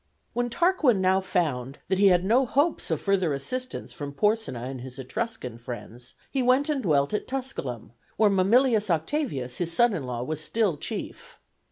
When Tarquin now found that he had no hopes of further assistance from Porsenna and his Etruscan friends, he went and dwelt at Tusculum, where Mamilius Octavius, his son in law, was still chief.